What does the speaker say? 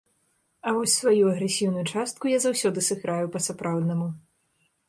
А вось сваю агрэсіўную частку я заўсёды сыграю па-сапраўднаму.